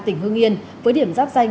tỉnh hương yên với điểm giáp danh